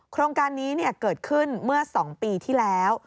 โครงการนี้เกิดขึ้นเมื่อ๒ปีที่แล้ว